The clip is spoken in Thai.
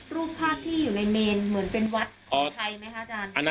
รูปภาพที่อยู่ในเมนเหมือนเป็นวัดของไทยไหมคะอาจารย์